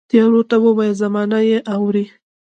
تیارو ته وایه، زمانه یې اورې